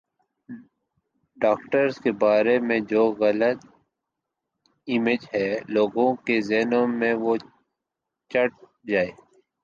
doctors کے بارے میں جو غلط امیج ہے لوگوں کے ذہنوں میں وہ چھٹ جائے